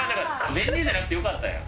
電流じゃなくてよかったやん。